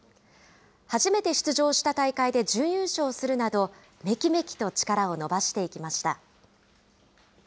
初めて出場した大会で準優勝するなど、めきめきと力を伸ばしていきました。